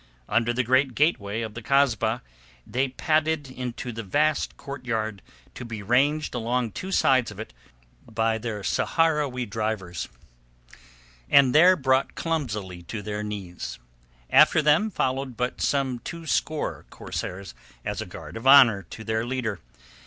Under the great gateway of the Kasbah they padded into the vast courtyard to be ranged along two sides of it by their Saharowi drivers, and there brought clumsily to their knees. After them followed but some two score corsairs as a guard of honour to their leader.